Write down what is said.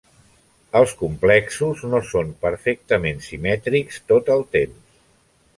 Els complexos no són perfectament simètrics tot el temps.